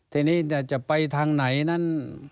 ทีนี้จะไปทางไหนนั้น